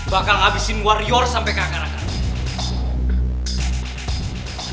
bakal ngabisin warior sampe ke agar agar